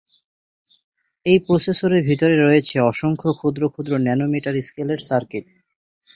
এই প্রসেসর এর ভিতরে রয়েছে অসংখ্য ক্ষুদ্র ক্ষুদ্র ন্যানোমিটার স্কেলের সার্কিট।